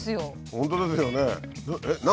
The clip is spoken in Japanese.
本当ですよね。